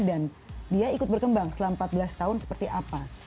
dan dia ikut berkembang selama empat belas tahun seperti apa